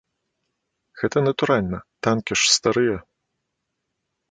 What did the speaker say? Гэта натуральна, танкі ж старыя.